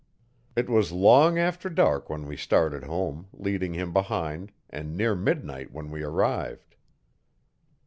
It was long after dark when we started home, leading him behind, and near midnight when we arrived.